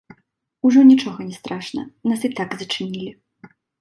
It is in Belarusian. Ужо нічога не страшна, нас і так зачынілі.